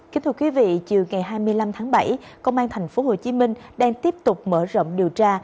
kính thưa quý vị chiều ngày hai mươi năm tháng bảy công an tp hcm đang tiếp tục mở rộng điều tra